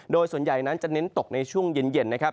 โดยส่วนใหญ่นั้นจะเน้นตกในช่วงเย็นนะครับ